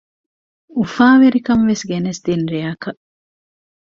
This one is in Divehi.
އުފާވެރި ކަންވެސް ގެނެސްދިން ރެއަކަށް